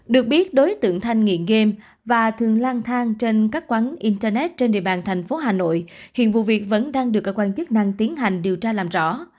được biết đối tượng thanh nghiện game và thường lang thang trên các quán internet trên địa bàn thành phố hà nội hiện vụ việc vẫn đang được cơ quan chức năng tiến hành điều tra làm rõ